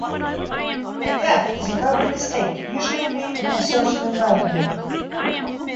A gaffe is a verbal mistake, usually made in a social environment.